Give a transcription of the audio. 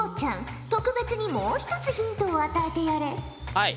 はい。